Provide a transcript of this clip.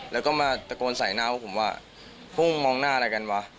แล้วก็ตะโกนใส่หน้าพวกผมว่าพวกมันมองหน้าอะไรกันวะ